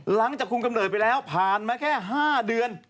หลังจากคุมกำเนิดไปแล้วผ่านมาแค่๕เดือน